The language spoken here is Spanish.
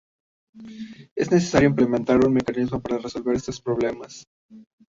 Es necesario implementar un mecanismo para resolver estos problemas.